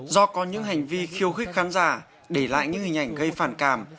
do có những hành vi khiêu khích khán giả để lại những hình ảnh gây phản cảm